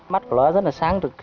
mắt của nó rất là sáng được